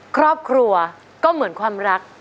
ครอบครัวก็เหมือนความรัก